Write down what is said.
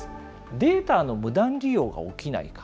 データの無断利用が起きないか。